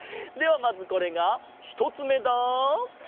まずこれがひとつめだ。